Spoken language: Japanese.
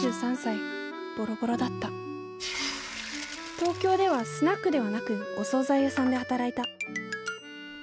東京ではスナックではなくお総菜屋さんで働いた。